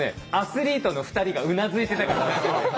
アスリートの２人がうなずいてたから。